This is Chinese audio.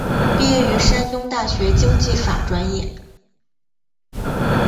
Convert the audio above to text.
毕业于山东大学经济法专业。